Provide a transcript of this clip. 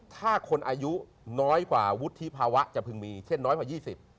ถ้าคนอายุน้อยกว่าวุฒิภาวะจะพึงมีเช่นน้อยกว่ายี่สิบ